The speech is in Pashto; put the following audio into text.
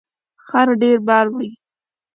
خر ډیر بار وړي